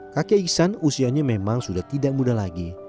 kakek iksan usianya memang sudah tidak muda lagi